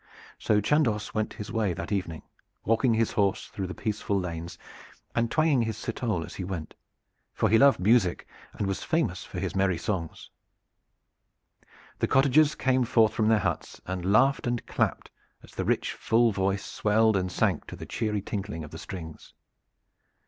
So Chandos went his way that evening, walking his horse through the peaceful lanes and twanging his citole as he went, for he loved music and was famous for his merry songs. The cottagers came from their huts and laughed and clapped as the rich full voice swelled and sank to the cheery tinkling of the strings.